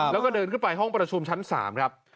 แล้วก็เดินขึ้นไปห้องประชุมชั้น๓ครับ